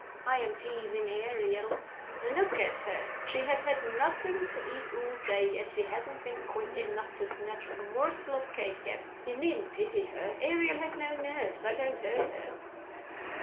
I am teasing Ariel. Look at her! She has had nothing to eat all day, and she hasn't been quick enough to snatch a morsel of cake yet. You needn't pity her. Ariel has no nerves I don't hurt her."